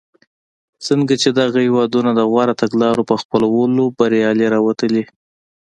ځکه چې دغه هېوادونه د غوره تګلارو په خپلولو بریالي راوتلي.